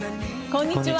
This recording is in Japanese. こんにちは。